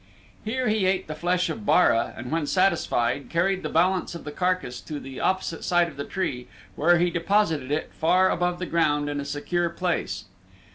Here he ate the flesh of Bara and when satisfied carried the balance of the carcass to the opposite side of the tree where he deposited it far above the ground in a secure place.